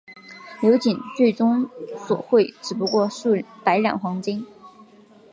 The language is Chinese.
刘瑾最初索贿只不过数百两黄金。